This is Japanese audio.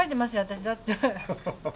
私だって。